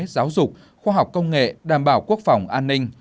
giáo dục khoa học công nghệ đảm bảo quốc phòng an ninh